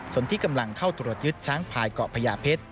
ส่วนที่กำลังเข้าตรวจยึดช้างพายเกาะพญาเพชร